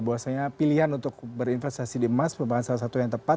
bahwasanya pilihan untuk berinvestasi di emas merupakan salah satu yang tepat